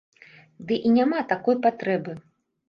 Ды і няма такой патрэбы.